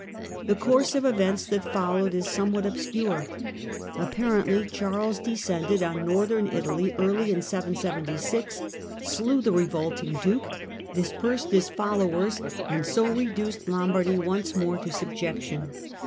The course of events that followed is somewhat obscure. Apparently Charles descended on Northern Italy early in 77C, slew the revolting duke, dispersed his followers, and so reduced Lombardy once more to subjection.